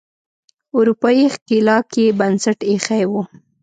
اروپایي ښکېلاک یې بنسټ ایښی و.